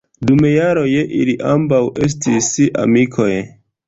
Dum jaroj ili ambaŭ estis amikoj.